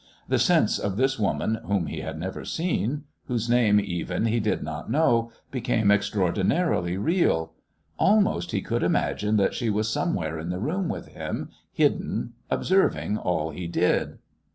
The sense of this woman whom he had never seen, whose name even he did not know, became extraordinarily real. Almost he could imagine that she was somewhere in the room with him, hidden, observing all he did.